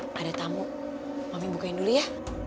eh ada tamu mami bukain dulu ya